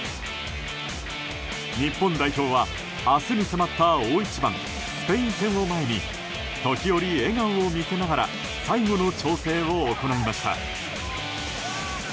日本代表は明日に迫った大一番スペイン戦を前に時折、笑顔を見せながら最後の調整を行いました。